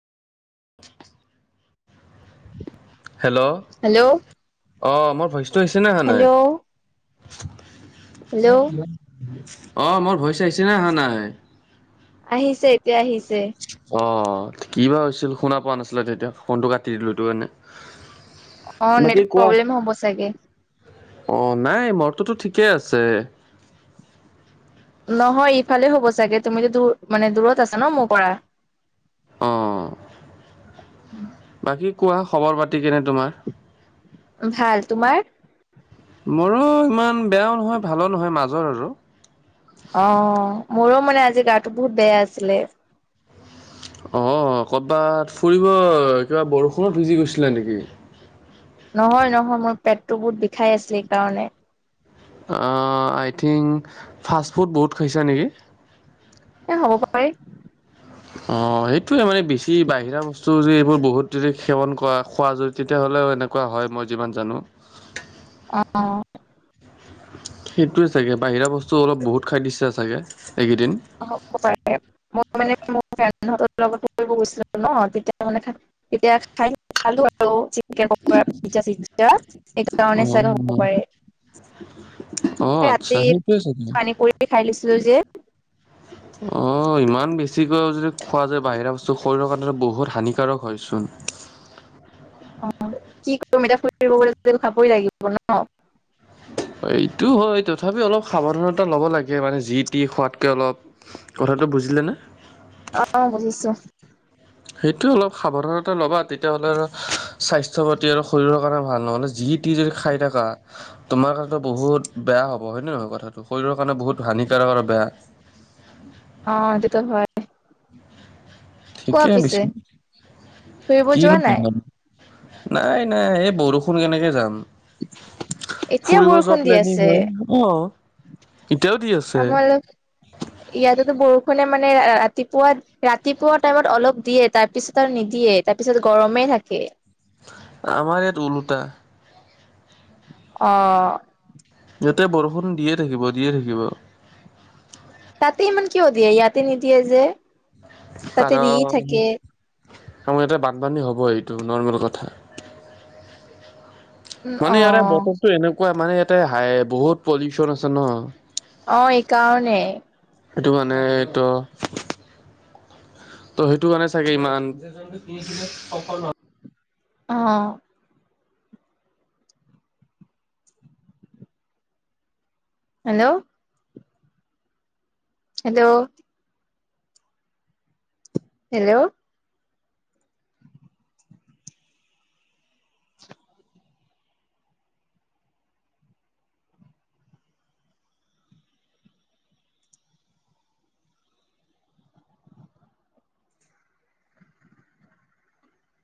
Hello hello অ' মোৰ ভইচটো আহিছে নে আহা নাই? হেল্ল' হেল্ল' অ'মোৰ ভইচ আহিছে নে আহা নাই? আহিছে, এতিয়া আহিছে। অ' কি বা হৈছিল শুনা পোৱা নাছিলা তেতিয়া ফোনটো কাটি দিলোঁ এইটো কাৰনে। অ'নেটৱৰ্ক প্ৰব্লেম হ'ব চাগে। অ'নাই মৰতোটো ঠিকেই আছে। নহয় ইফালে হ'ব চাগে তুমিতো তো মানে দূৰত আছা ন, মোৰ পৰা। অ বাকি কোৱা খবৰ - পাতি কেনে তোমাৰ? ভাল তোমাৰ? মোৰো সিমান বেয়াও নহয়, ভালো নহয় মাজৰ আৰু। অ'মোৰো মানে আজি গাটো বহুত বেয়া আছিলে। অ' ক'তবাত ফুৰিব কিবা বৰষুণত ভিজি গৈছলা নেকি? নহয়, নহয় মোৰ পেটটো বহুত বিষাই আছিলে এইকাৰণে। অঁ, আই থিংক, ফাষ্ট-ফুড বহুত খাইছা নেকি? এ হ'ব পাৰে। অঁ, সেইটোৱে মানে বেছি বাহিৰা ব- স্তু যদি এইবোৰ বহুত যদি সেৱন কৰা, খোৱা যদি তেতিয়া হ'লেও এনেকুৱা হয়, মই যিমান জানোঁ। অঁ, অঁ। সেইটোৱে চাগে। বাহিৰা বস্তু অলপ বহুত খাই দিছা চাগে এইকেইদিন? হ'ব পাৰে। মই মানে, মোৰ ফ্ৰেণ্ডৰ লগত ফুৰিব গৈছিলোঁ ন'। তেতিয়া মানে খাই- তেতিয়া খাই খালোঁ আৰু চিকেন পকৰা, পিজ্জা- চিজ্‌- তেয়া এইটো কাৰণে অ', চাগে হ'ব পাৰে? অ', হে আচ্ছা ৰাতি সেইটোৱে পানীপুৰী খাই লৈছিলোঁ যে। [inaudible] অঁ, ইমান বেছিকৈ যদি খোৱা যায় বাহিৰা বস্তু শৰীৰৰ কাৰণে বহুত হানিকাৰক হয় চোন? অঁ, কি কৰিম এতিয়া ফুৰিব গ'লেটো যেনো খাবই লাগিব ন'? এইটো হয়। তথাপিও অলপ সাৱধানতা ল'ব লাগে মানে যি-টি খোৱাত্‌কে অলপ। কথাটো বুজিলে নে? অঁ, অঁ বুজিছোঁ? সেইটো অলপ সাৱধানতা ল'বা। তেতিয়াহ'লে আৰু স্বাস্থ্য-পাতি আৰু শৰীৰৰ কাৰণে ভাল। নহ'লে যি- টি যদি খাই থকা, তোমাৰ কাৰণেটো বহুত বেয়া হ'- ব। হয়, নহয় কথাটো? শৰীৰৰ কাৰণে বহুত হানিকাৰক আৰু বেয়া। অঁ, সেইটো টো হয়। ঠিকে, পিছে ফুৰিব যোৱা কিনো কম নাই মানে! নাই -নাই এই বৰষুণ কেনেকে যাম! এতিয়া ফুৰিব যোৱা বৰষুণ দি প্লেনিং আছে। হয়। অঁ, এতিয়াও দি আছোঁ। আমাৰ ইয়াতেটো বৰষুণে মানে ৰাতিপুৱা- ৰাতিপুৱা টাইমত অলপ দিয়ে তাৰপিছত আৰু নিদিয়ে, তাৰপিছত গৰমেই থাকে। আমাৰ ইয়াত ওলোটা। অঁ। ইয়াতে বৰষুণ দিয়ে থাকিব, দিয়ে থাকিব। তাতে ইমান কিয় দিয়ে? ইয়াতে নিদিয়ে যে, তাতে দিয়ে কাৰণ থাকে! আমাৰ ইয়াতে বানপানী হ'ব, এইটো নৰ্মেল কথা। উম অ মানে ইয়াতে বতৰো এনেকুৱা মানে ইয়াতে হাই বহুত পলিউচন আছে ন। অঁ, এই কাৰণে। সেইটো মানে এইটো- ত' সেইটো কাৰণে চাগে ইমান- অঁ, অঁ। হেল্ল'। হেল্ল'। হেল্ল'। [unintelligible]